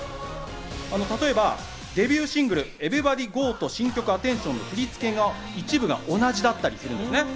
例えばデビューシングル『ＥｖｅｒｙｂｏｄｙＧｏ』と新曲『Ａ１０ＴＩＯＮ』の振り付けの一部が同じだったりするんですね。